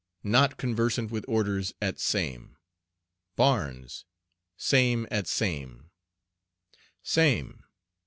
Not conversant with orders at same. BARNES. Same at same.